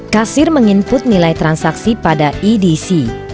kasir menginput nilai transaksi pada edc